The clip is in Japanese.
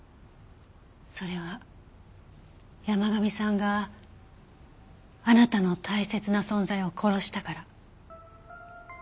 それは山神さんがあなたの大切な存在を殺したから。